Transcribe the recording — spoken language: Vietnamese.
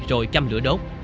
rồi chăm lửa đốt